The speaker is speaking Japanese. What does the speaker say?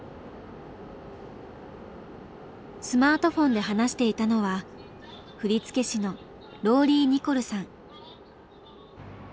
スマートフォンで話していたのは振り付け師のローリー・ニコルさん。